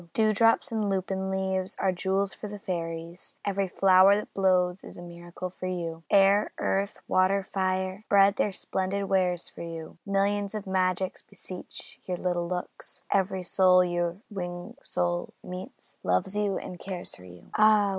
Dewdrops in lupin leaves are jewels for the fairies; Every flower that blows is a miracle for you. Air, earth, water, fire, spread their splendid wares for you. Millions of magics beseech your little looks; Every soul your winged soul meets, loves you and cares for you. Ah!